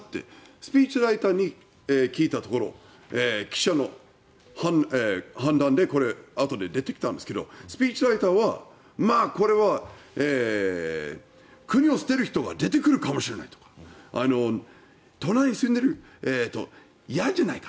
スピーチライターに聞いたところ記者の判断であとで出てきたんですけどスピーチライターはこれは、国を捨てる人が出てくるかもしれないとか隣に住んでいたら嫌じゃないか。